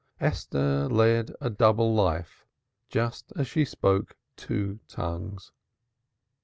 Esther led a double life, just as she spoke two tongues.